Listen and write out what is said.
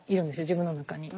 自分の中に。